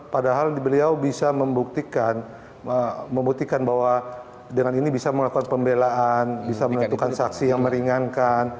padahal beliau bisa membuktikan bahwa dengan ini bisa melakukan pembelaan bisa menentukan saksi yang meringankan